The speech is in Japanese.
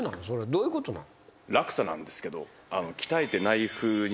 どういうことなん？